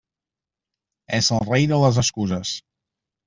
És el rei de les excuses.